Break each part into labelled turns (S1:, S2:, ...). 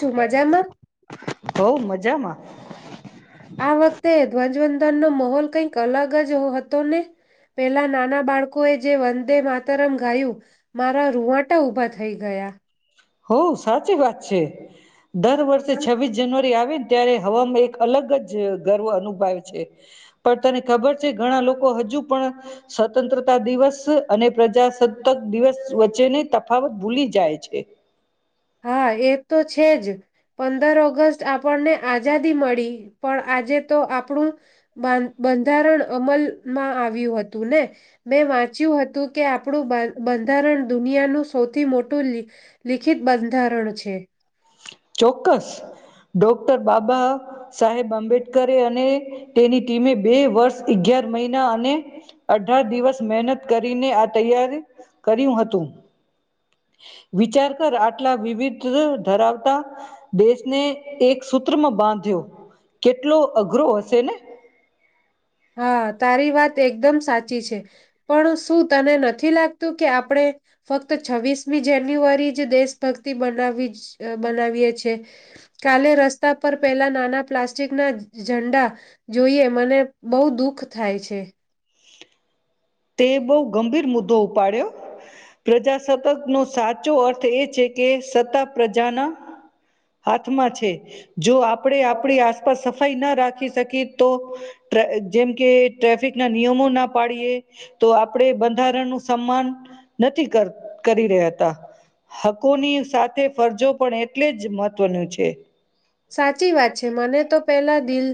S1: છું મજામાં
S2: [unintelligible]
S1: આ વખતે ધ્વજવંદ નો માહોલ કઈક અલગ જ હતો ને પેલા નાના બાળકો એ જે વંદે માતરમ ગાયું મારા રૂવાટા ઉઊભા થઈ ગયા
S2: હો સાચી વાત છે દર વર્ષે છવ્વીસ જાનુઆરી આવે ને ત્યારે હવામાં એક અલગ જ ગર્વ અનુભવે છે પણ તને ખબર છે ઘણા લોકો હજુ પણ સ્વતંત્રતા દિવસ અને પ્રજાસત્તાક દિવસ વચ્ચેની તફાવત ભૂલી જાય છે
S1: હા એ તો છે જ પંદર ઓગસ્ટ આપણને આઝાદી મળી પણ આજે તો આપણું બંધારણ અમલમાં આવ્યું હતું ને મેં વાંચ્યું હતું કે આપણું બંધારણ દુનિયાનું સૌથી મોટું લિખિત બંધારણ છે
S2: ચોક્કસ ડોક્ટર બાબા સાહેબ આંબેડકરે અને તેની ટીમે બે વર્ષ અગિયાર મહિના અને અઢાર દિવસ મહેનત કરીને આ તૈયાર કર્યું હતું વિચાર કર આટલા વિવિધ ધરાવતા દેશને એક સૂત્રમાં બાંધ્યો કેટલો અઘરો હશે ને
S1: હા તારી વાત એકદમ સાચી છે પણ શું તને નથી લાગતું કે આપણે ફક્ત છવ્વીસમી જાન્યુઆરી જ દેશભક્તિ બનાવી બનાવીએ છે કાલે રસ્તા પર પહેલા નાના પ્લાસ્ટ ચકના ઝંડા જોઈએ મને બુ દુઃખ થાય છે
S2: તે બહુ ગંભીર મુદ્દો ઉપાડ્યો પ્રજાસતક નો સાચો અર્થ એ છે કે [unintelligible] પ્રજાના હાથમાં છે જો આપણેે આપણી આસપાસ થઈ ન રાખી શકીિત તો જેમ કે ટ્રાફિક ના નિયમો ના પાડીએ તો આપણે બંધારણનુંું સન્માન નથી કર કરી રહ્યા હતા હકોની સાથે ફરજો પણ એટલે જ મહત્વનું છે
S1: સાચી વાત છે મને તો પેલા દિલ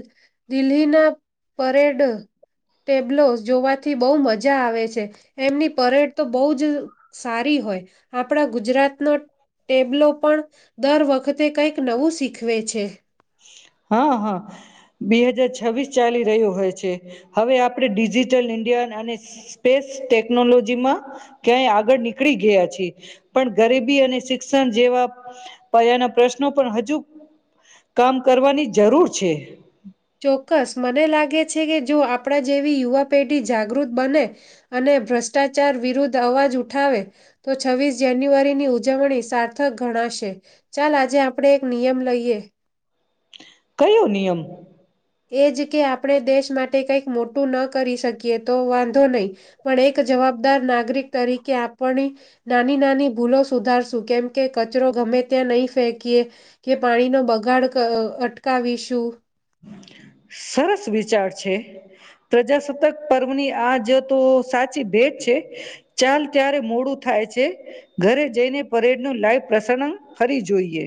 S1: દિલ્હીના પરેડ ટેબ્લો જોવાથી બહુ મજા [unintelligible] છે એમની પરેડ તો બહુ જ સારી હોય આપણા ગુજરાતનો ટેબ્લો પણ દર વખતે કઈક નવું શીખવે છે
S2: હા હા બે હજાર છવ્વીસ ચાલી રહ્યો હોય છે હવે આપણે ડિજિટલ ઇન્ડિયા અને સ્પેસ ટેકનોલોજી માં ક્યાંય આગળ નીકળી ગયા છીએ પણ ગરીબી અને શિક્ષણ જેવા પયાના પ્રશ્નો પણ હજુ કામ કરવાની જરૂર છે
S1: ચોક્કસ મને લાગે છે કે જો આપણા જેવી યુવા પેઢી જાગૃત બને અને ભ્રષ્ટાચાર વિરુદ્ધ અવાજ ઉઠાવે તો છવ્વીસ જાન્યુઆરીની ઉજવણી સાર્થક ગણાશે ચાલ આજે આપણે એક નિયમ લઈએ
S2: કયો નિયમ
S1: એ જ કે આપણે દેશ માટે કંઈક મોટું ન કરી શકીએ તો વાંધો નહી પણ એક જવાબદાર નાગરિક તરીકે આપણી નાની નાની ભૂલો સુધારશું કેમ કે કચરો ગમે ત્યાં નહીં ફેંકીએ કે પાણીનો બગાડ અટકાવીશું
S2: સરસ વિચાર છે પ્રજાસત્તાક પર્વની આજ તો સાચી ભેટ છે ચાલ ત્યારે મોડું થાય છે ઘરે જઈને પરેડ નું લાઈવ પ્રસારન ફરી જોઈએ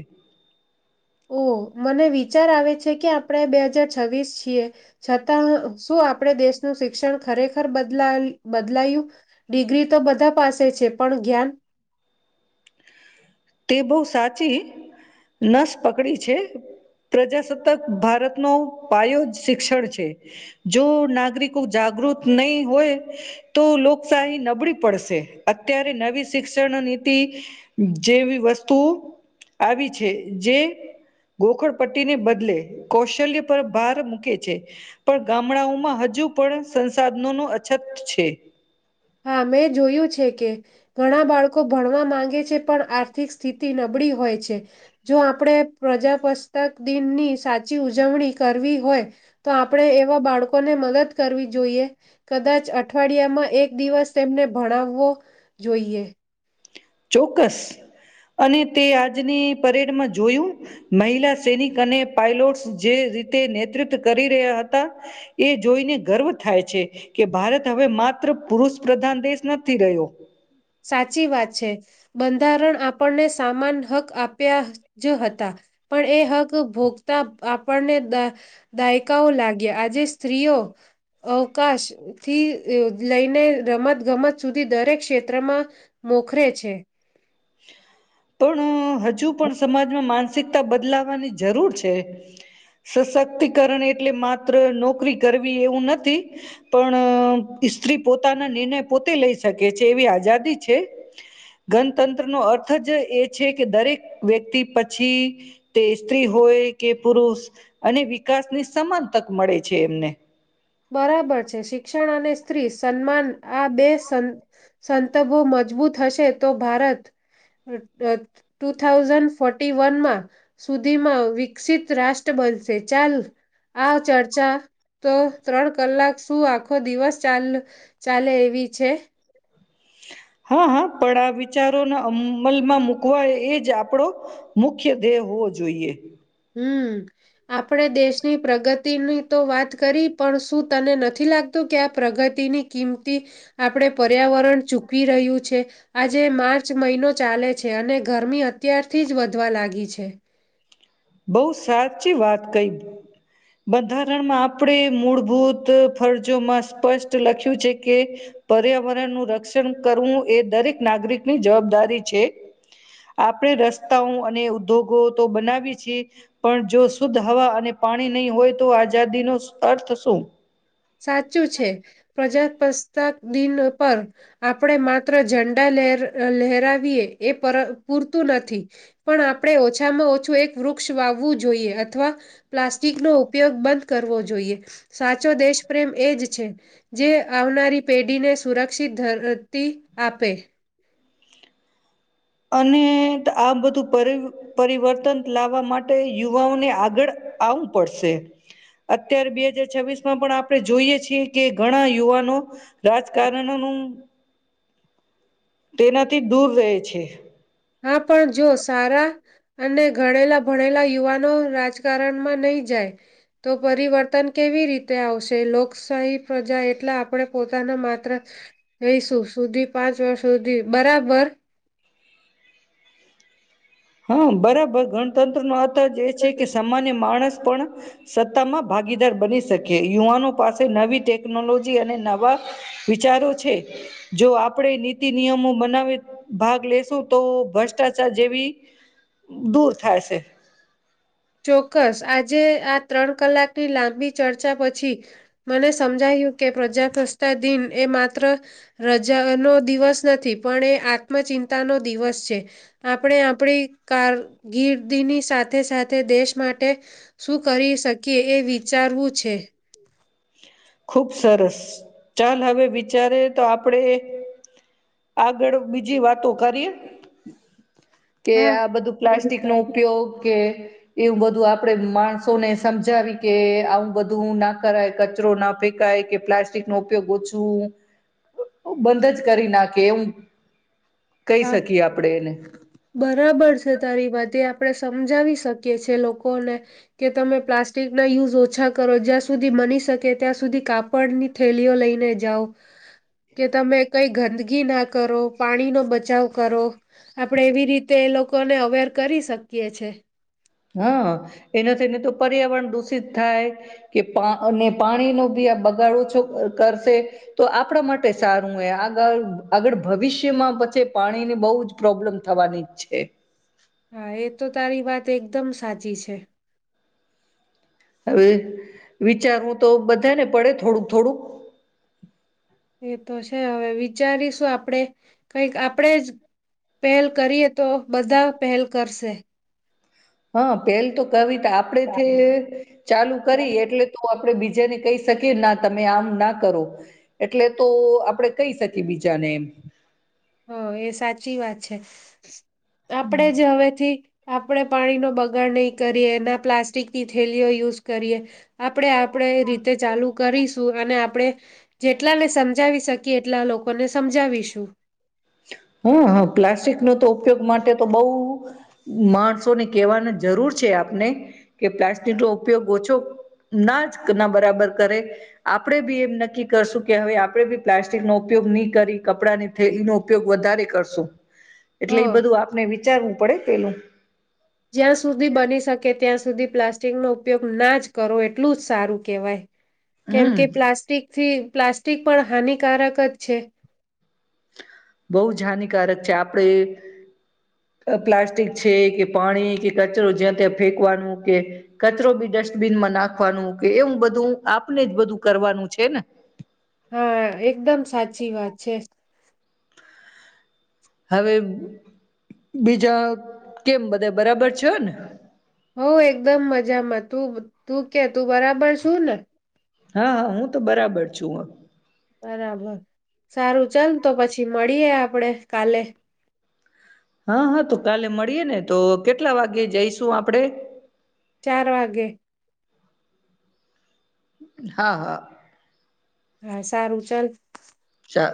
S1: ઓ મને વિચાર આવે છે કે આપણે બે હજાર છવ્વીસ છીએ છતાં શું આપણે દેશનું શિક્ષણ ખરેખર બદલા બદલાયું ડિગ્રી તો બધા પાસે છે પણ જ્ઞાન
S2: તે બહુ સાચી નસ પકડી છે પ્રજાસત્તાક ભારત નો પાયો જ શિક્ષણ છે જો નાગરિકો જાગૃત નહી હોય તો લોકશાહી નબળી પડશે અત્યારે નવી શિક્ષણ નીતિ જેવી વસ્તુઓ આવી છે જે ગોખડ પટ્ટીને બદલે કૌશલ્ય પર ભાર મૂકે છે પણ ગામડાઓમાં હજુ પણ સંસાધનો ન અછત છે
S1: હા મેં જોયું છે કે ઘણા બાળકો ભણવા માંગે છે આર્થીક સ્થિતિ નબળી હોય છે જો આપડે પ્રજા બસ તક દિન ની સાચી ઉ ઉજવણી કરવી હોય, તો આપણે એવા બાળકોને મદદ કરવી જોઈએ, કદાચ અઠવાડિયામાં એક તેમને ભણાવવો જોઈએ.
S2: ચોક્કસ, અને તે આજની પરેડમાં જોયું, મહિલા સૈનિક અને પાયલોટ જે રીતે નેતૃત્વ કરી રહ્યા હતા, એ જોઈને ગર્વ થાય છે, કે ભારત હવે માત્ર પુરુષ પ્રધાન દેશ નથી રહ્યો.
S1: સાચી વાત છે, બંધારણ આપણને સામાન હક આપ્યા જ હતા, પણ એ હક ભોગતા આપણને, દાયકાઓ લાગ્યા આજે સ્ત્રીઓ અવકાશ થી લઈને રમત ગમત સુધી દરેક ક્ષેત્રે તંત્રમાં, મોખરે છે.
S2: પણ હજુ પણ સમાજમાં માનસ માનસિકતા બદલાવાની જરૂર છે, સશક્તિકરણ એટલે માત્ર નોકરી કરવી એવું નથી, પણ સ્ત્રી પોતાના નિર્ણય પોતે લઈ શકે છે એવી આઝાદી છે, ગ તંત્ર નો અર્થ જ એ છે કે દરેક વ્યક્તિ પછી, તે સ્ત્રી હોય કે પુરુષ, અને વિકાસની સમાન તક મળે છે એમને.
S1: બરાબર છે શિક્ષણ અને સ્ત્રી સન્માન આ બે સંંતભો મજબૂત હશે તો ભારત, ટુ થાઉઝન્ડ ફોર્ટી વનમાં, સુધીમાં વિકસિત રાષ્ટ્ર બનશે ચાલ આ ચર્ચા તો ત્રણ કલાક શું આખો દિવસ ચાલ ચાલે એવી છે.
S2: હા હા પણ આ વિચારોને અમલમાં મુૂકવાય એ જ આપડો, મુખ્ય ધ્યેય હોવો જોઈએ.
S1: હમ, આપણે દેશની પ્રગતિની તો વાત કરી પણ શું તને નથી લાગતું કે આ પ્રગતિની કિંમતી, આપણે પર્યાવરણ ચૂકવી રહ્યું છે. આજે માર્ચ મહિનો ચાલે છે અને ગરમી અત્યારથી જ વધવા લાગી છે.
S2: બહુ સાચી વાત કહી, બંધારણમાં આપણે મૂળભૂત ફરજોમાં સ્પષ્ટ લખ્યું છે કે, પર્યાવરણનું રક્ષણ કરવું એ દરેક નાગરિકની જવાબદારી છે, આપણે રસ્તાઓ અને ઉદ્યોગો તો બનાવી પણ જો શુદ્ધ હવા અને પાણી નહી હોય તો આઝાદી નો અર્થ શું.
S1: સાચું છે, પ્રજા દન પર, આપણે માત્ર ઝંડા લર લહેરાવીયએ એ પૂરતું નથી. પણ આપડણે ઓછામાં ઓછ એક વૃક્ષ વાવવું જોઈએ અથવા, પ્લાસ્ટિક નો ઉપયોગ બંધ કરવો જોઈએ. સાચો દેશ પ્રેમ એ જ છે, જે આવનારી પેઢીને સુરક્ષિત ધરતી આપે.
S2: અને આ બધું પર પરિવર્તન લાવવા માટે યુવાઓને આગળ આવવું પડશે, અત્યારે બે હજાર છવ્વીસ માં પણ આપણે જોઈએ છીએ કે ઘણા યુવાનો, રાજકારણોનું તેનાથી દૂર રહે છે.
S1: હા પણ જો સારા, અને ગણેલા ભણેલા યુવાનો રાજકારણમાં નહી જાય તો પરિવર્તન કેવી રીતે આવશે, લોકશાહી પ્રજા એટલે આપણે પોતાના માત્ર, રહીશું સુધી પાંચ વર્ષ સુધી બરાબર
S2: હા બરાબર ગણતંત્ર નો જે છે કે સામાન્ય માણસ પણ સત્તામાં ભાગીદાર બની શકી યુવાનો પાસે નવી ટેકનોલોજી અને નવા વિચારો છે જો આપણે નીતિ નિયમો બનાવી ભાગ લેશું તો ભ્રષ્ટાચાર જેવી દૂર થાય છે.
S1: ચોક્કસ આજે આ ત્રણ કલાકની લાંબી ચર્ચા પછી, મને સમજાયું કે પ્રજા પ્ર્રસ્તા દિન એ માત્ર, રજાનો દિવસ નથી પણ એ આત્મચિંતાનો દિવસ છે. આપણે આપણી કારકિર્દીની સાથે તે સાથે તે દેશ માટે, શું કરી શકે. કે એ વિચારવું છે.
S2: ખુબ સરસ ચાલ હવે વિચારે તો આપડે આગળ બીજી વાતો કરીએ. કે
S1: હા.
S2: આ બધું પ્લાસ્ટિક નો ઉપયોગ કે એવું બધું આપડે માણસોને સમજ મજાવી કે આવું બધું ના કરાય, કચરો ના ફેંકાય કે પ્લાસ્ટિક નો ઉપયોગ ઓછું બંધ જ કરી નાખે એવું કહી
S1: હા
S2: શકીએ આપણે એને
S1: બરાબર છે તારી વાતે આપ આપણે સમજાવી શકીએ છે લોકોને કે તમે પ્લાસ્ટિક ના યુઝ ઓછા કરો જ્યાં સુધી બની શકે ત્યાં સુધી કાપડની થેલીઓ લઈને જાઓ કે તમે કઈ ગંદગી ના કરો, પાણીનો બચ બચાવ કરો. આપડે એવી રીતે લોક લોકોને અવેર કરી શકીએ છે.
S2: હા એના થઈને તો પર્યાવરણ દૂષિત થાય કે પા અને પાણીનો બી આ બગાડ ઓછો ક કરશે તો આપણા માટે સારું એ. આગળ આગળ ભવિષ્યમાં પછી પાણીની બહુ જ પ્રોબ્લેમ થવાની છે.
S1: હા એ તો તારી વાત તે એકદમ સાચી છે.
S2: હવે વિચારવું તો બધાને પડે થોડુંક થોડુંક.
S1: તો છે હવે વિચારીશું આપણેે કઈક આપણેે જ પહેલ કરીએ તો બધા પહેલ કરશે.
S2: હા પેલ તો. કવિતા આપડે થી ચાલુ કરી એટલે તો આપે બીજ બીજાને કહી શકીએ ના તમે આમ ના કરો. એટલે તો આપણેે કહી શકીએ બીજાને એમ
S1: હ એ સાચી વાત છે. આપણેે જ હવેથી આપણે પાણી નો બગાડ નહી કરીએ ના પ્લાસ્ટિક ની થેલીઓ યુઝ કરીએ. આપણે આપણે એ રીતે ચાલુ કરીશું અને આ આપડે જેટલા ને સમજાવી શક કેટલા લોકોને સમજાવીશું?
S2: હુ હ પ્લાસ્ટિક નો તો ઉપયોગ માટે તો બહુ માણસોને કેહેવાની જરૂર છે આપને કે પ્લાસ્ટિક નો ઉપયોગ ઓછો ના જ ના બરાબર કરે આપણેે બી એમ નક્કી કરશું કે હવે આપડે બી પ્લાસ્ટિક નો ઉપયોગ નહી કરી કપડાની થેલીનો ઉપયોગ વધારે કરશો. એટલે
S1: હ
S2: એઈ બધું આપને બી ચલ ચલ પડે પેલું.
S1: જ્યાં સુધી બની શકે ત્યાં સુ સુધી પ્લાસ્ટિકનો ઉપયોગ ના જ કરો એટલું જ સારું કહેવાય. કેમ
S2: હમ
S1: કે પ્લાસ્ટિક થી પ્લાસ્ટિક પણ હાનિકારક જ છે.
S2: બહુ જ હાનિકારક છે, આપડે પ્લાસ્ટિક છે, કે પાણી કે કચરો જ્યાં ત્યાં ફેકવાનું કે કચરો બી ડસ્ટબિનમાં નાખવાનું કે એવું બધું આપણે જ બધું કરવાનું છે, ને.
S1: હા એકદમ સાચી વાત. છે.
S2: હવે બીજા કેમ બધા બરાબર
S1: હો એકદમ મજામાં તું તું કે તું બરાબર સુ ને?
S2: હા હા હું તો બરાબર છું હ.
S1: બરાબર સારું ચાલ તો પછી મળ મળીએ આપણે કાલે
S2: હહ હહ તો કાલે મળીએે ને તો
S1: ચાર વાગે
S2: હા હા
S1: હા સારું ચલ
S2: ચાર